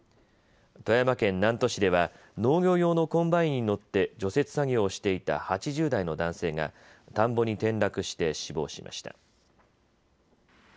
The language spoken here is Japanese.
富山県南砺市では農業用のコンバインに乗って除雪作業をしていた８０代の男性が田んぼに転落して死亡しました。